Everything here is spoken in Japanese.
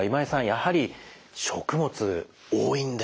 やはり食物多いんですね。